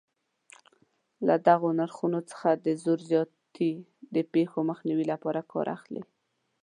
له دغو نرخونو څخه د زور زیاتي د پېښو مخنیوي لپاره کار اخلي.